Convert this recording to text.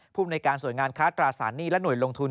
ภูมิในการส่วนงานค้าตราสารหนี้และหน่วยลงทุน